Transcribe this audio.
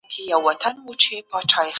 سن سیمون فرانسوي لیکوال او فیلسوف و.